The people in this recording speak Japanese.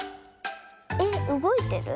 えっうごいてる？